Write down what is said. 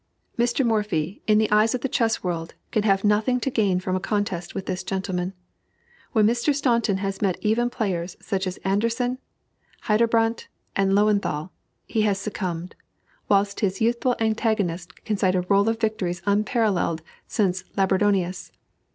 Mr. Morphy, in the eyes of the chess world, can have nothing to gain from a contest with this gentleman. When Mr. Staunton has met even players such as Anderssen, Heyderbrandt, and Löwenthal, he has succumbed; whilst his youthful antagonist can cite a roll of victories unparalleled since Labourdonnais.